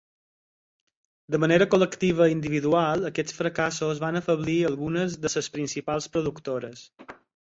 De manera col·lectiva i individual, aquests fracassos van afeblir algunes de les principals productores.